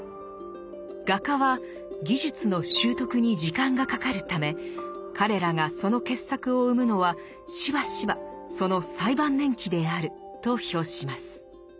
画家は技術の習得に時間がかかるため「彼らがその傑作を産むのはしばしばその最晩年期である」と評します。